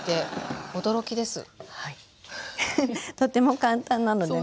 とても簡単なのでね。